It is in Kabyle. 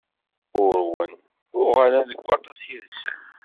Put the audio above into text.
Urwen, uɣalen deg waṭas yid-sen.